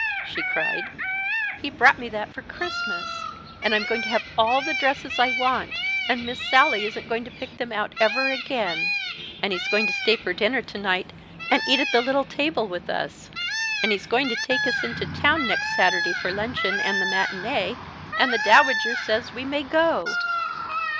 she cried, "he brought me that for Christmas. And I'm going to have all the dresses I want, and Miss Sallie isn't going to pick them out ever again. And he's going to stay for dinner to night, and eat at the little table with us. And he's going to take us into town next Saturday for luncheon and the matinée, and the Dowager says we may go!"